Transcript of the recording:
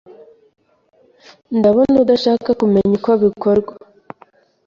Ndabona udashaka kumenya uko bikorwa